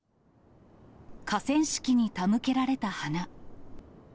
河川敷に手向けられた花。